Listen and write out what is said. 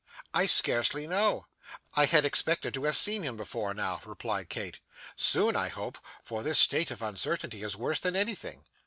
'I scarcely know; I had expected to have seen him before now,' replied Kate. 'Soon I hope, for this state of uncertainty is worse than anything.